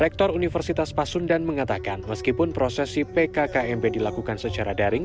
rektor universitas pasundan mengatakan meskipun proses si pkkmp dilakukan secara daring